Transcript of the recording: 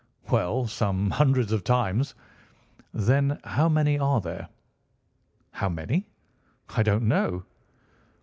"Well, some hundreds of times." "Then how many are there?" "How many? I don't know."